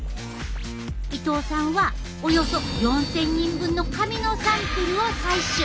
伊藤さんはおよそ４，０００人分の髪のサンプルを採取。